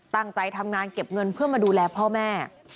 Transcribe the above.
ตั้งใจทำงานเก็บเงินเพื่อมาดูแลพ่อแม่